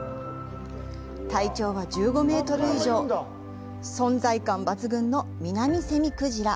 体長は１５メートル以上存在感抜群のミナミセミクジラ。